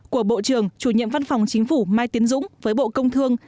của bộ trưởng chủ nhiệm văn phòng chính phủ mai tiến dũng với bộ công thương